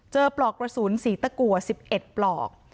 ปลอกกระสุนสีตะกัว๑๑ปลอก